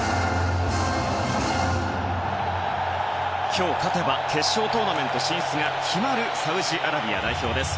今日勝てば決勝トーナメント進出が決まるサウジアラビア代表です。